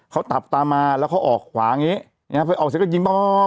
เขาตับตามมาแล้วเขาออกขวางี้นะฮะเพิ่งออกเสร็จก็ยิงป้าวป้าว